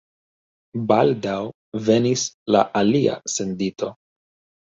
Baldaŭ venis la alia sendito.